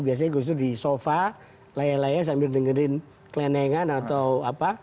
biasanya gus dur di sofa laya layanya sambil dengerin klenengan atau apa